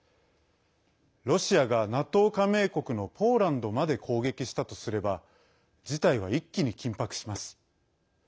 ロシアが、ＮＡＴＯ加盟国のポーランドまで攻撃したとすれば事態は一気に緊迫します。